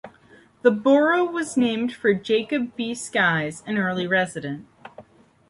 The borough was named for Jacob B. Sykes, an early resident.